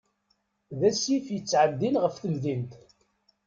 D asif yettεeddin ɣef temdint.